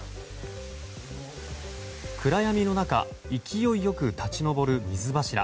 暗闇の中勢いよく立ち上る水柱。